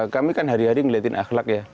kami kan hari hari ngeliatin akhlak ya